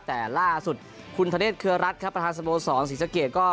แต่ล่าสุดคุณธเนธเครือรัฐครับประธานสโมสรศรีสะเกดก็